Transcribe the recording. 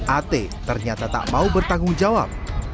at ternyata tak mau bertanggung jawab